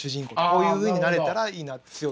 こういうふうになれたらいいなって。